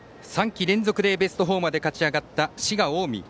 ３季連続でベスト４まで勝ち上がった滋賀・近江。